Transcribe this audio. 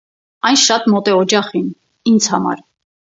Այն շատ մոտ է օջախին (ինձ համար)։